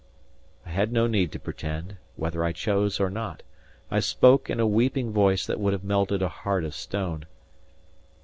I had no need to pretend; whether I chose or not, I spoke in a weeping voice that would have melted a heart of stone.